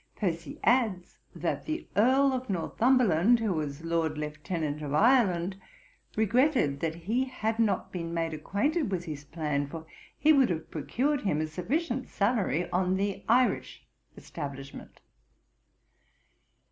Percy adds that the Earl of Northumberland, who was Lord Lieutenant of Ireland, regretted 'that he had not been made acquainted with his plan; for he would have procured him a sufficient salary on the Irish establishment.'